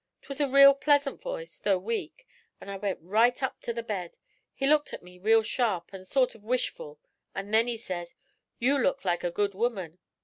'Twas a real pleasant voice, though weak, an' I went right up to the bed. He looked at me real sharp, an' sort of wishful, and then he says, "You look like a good woman."